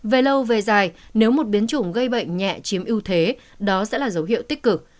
về lâu về dài nếu một biến chủng gây bệnh nhẹ chiếm ưu thế đó sẽ là dấu hiệu tích cực